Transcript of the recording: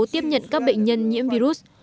tiếp nhận các bệnh nhân nhiễm virus